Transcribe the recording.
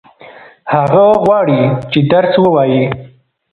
هغه غواړي چې درس ووايي.